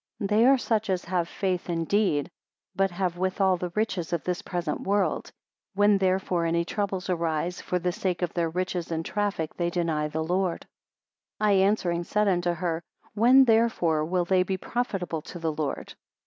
69 They are such as have faith indeed, but have withal the riches of this present world. When therefore any troubles arise, for the sake of their riches and traffic, they deny the Lord. 70 I answering, said unto her, When therefore will they be profitable to the Lord?